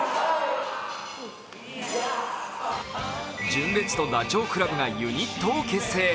純烈とダチョウ倶楽部がユニットを結成。